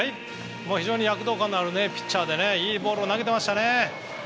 非常に躍動感のあるピッチャーでいいボールを投げてましたね。